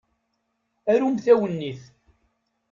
Arumt awennit.